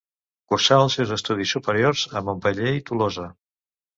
Cursà els seus estudis superiors a Montpeller i Tolosa.